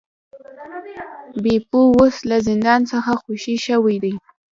بیپو اوس له زندان څخه خوشې شوی دی.